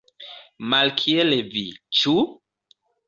Malkiel vi, ĉu?